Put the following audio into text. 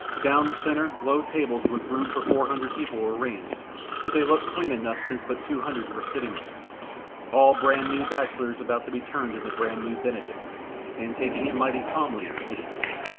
Down the centre low tables with room for four hundred people were ranged, but they looked quaint enough since but two hundred were sitting there, all brand new bachelors about to be turned into brand new Benedicts, and taking it mightily calmly it seemed.